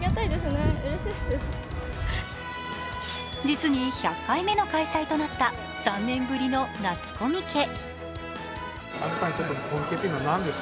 実に１００回目の開催となった３年ぶりの夏コミケ。